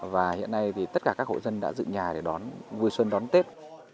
và hiện nay thì tất cả các hộ dân đã dựng nhà để đón vui xuân đón tết